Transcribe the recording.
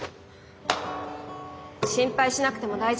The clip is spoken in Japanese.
心配しなくても大丈夫ですよ。